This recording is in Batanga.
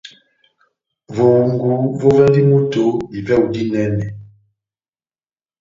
Vohungu vovɛndi moto divɛhu dinɛnɛ.